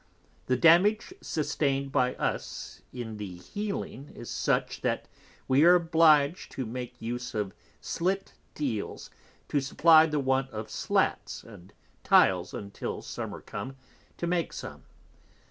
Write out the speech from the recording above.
The damage sustained by us in the Healing is such, that we are obliged to make use of Slit Deals to supply the want of Slats and Tyles until Summer come to make some.